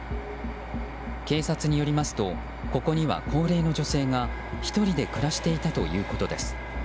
警察によりますとここには高齢の女性が１人で暮らしていたということです。